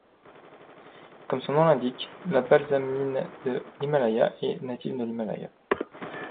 Comme son nom l'indique, la Balsamine de l'Himalaya est native de l'Himalaya.